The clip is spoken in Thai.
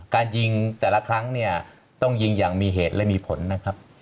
การยิงแต่ละครั้งเนี่ยต้องยิงอย่างมีเหตุและมีผลนะครับ